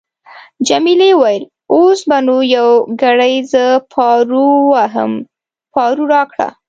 جميلې وويل:: اوس به نو یو ګړی زه پارو وواهم، پارو راکړه.